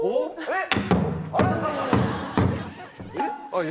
えっ？